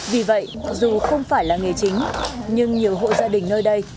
vì vậy dù không phải là nghề chính nhưng nhiều hộ gia đình nơi đây